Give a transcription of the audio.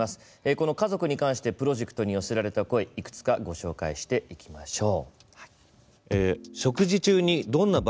この「家族」に関してプロジェクトに寄せられた声いくつかご紹介していきましょう。